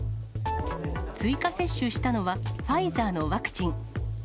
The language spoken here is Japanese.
追加接種したのは、ファイザーのワクチン。